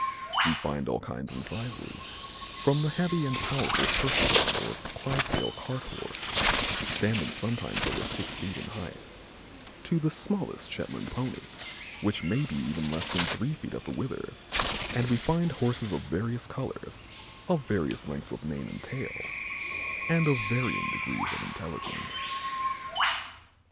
We find all kinds and sizes, from the heavy and powerful Percheron or Clydesdale cart Horse, standing sometimes over six feet in height, to the smallest Shetland pony which may be even less than three feet at the withers, and we find Horses of various colors, of various lengths of mane and tail, and of varying degrees of intelligence.